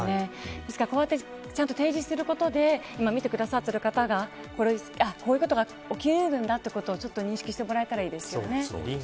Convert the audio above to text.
ですから、こうやってちゃんと提示することで今見てくださっている方がこういうことが起こり得るんだということを認識してもらえたらいいですよね。